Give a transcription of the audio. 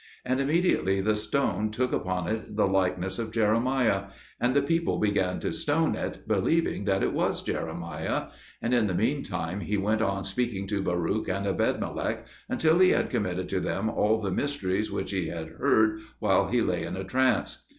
And immediately the stone took upon it the likeness of Jeremiah, and the people began to stone it, believing that it was Jeremiah. And in the meantime he went on speaking to Baruch and Ebedmelech until he had committed to them all the mysteries which he had heard while he lay in a trance.